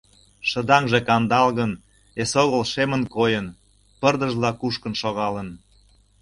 Шыдаҥже кандалгын, эсогыл шемын койын, пырдыжла кушкын шогалын.